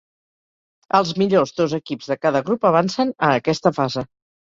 Els millors dos equips de cada grup avancen a aquesta fase.